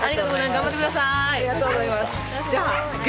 頑張って下さい。